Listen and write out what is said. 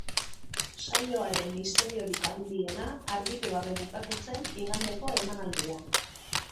Saioaren misteriorik handiena argitu gabe bukatu zen igandeko emanaldia.